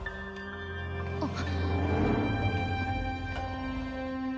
あっ。